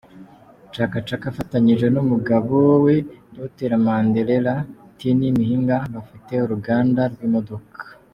Chaka Chaka afatanyije n’umugabo we, Dr Mandlalele Tiny Mhinga, bafite uruganda rw’imodoka.